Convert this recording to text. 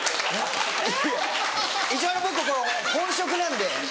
いや一応僕本職なんで。